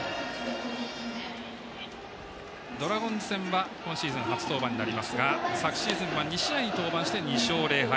ドラゴンズ戦は今シーズン初登板になりますが昨シーズンは２試合に登板して２勝０敗。